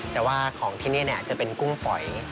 แต่ว่าของที่นี่จะเป็นกุ้งฝอย